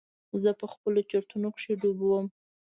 زه په خپلو چورتونو کښې ډوب وم.